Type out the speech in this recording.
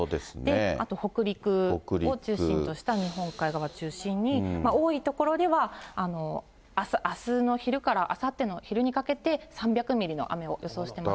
あと北陸を中心とした日本海側中心に、多い所では、あすの昼からあさっての昼にかけて、３００ミリの雨を予想しています。